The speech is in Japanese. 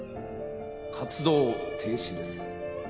活動停止です。